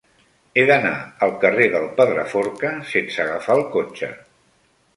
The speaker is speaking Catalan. He d'anar al carrer del Pedraforca sense agafar el cotxe.